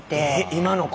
今の子？